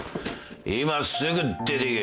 今すぐ出ていけ。